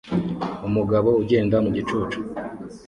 Umugabo ugenda mu gicucu